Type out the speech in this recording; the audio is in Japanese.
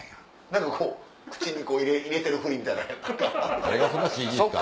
何かこう口に入れてるふりみたいなガって。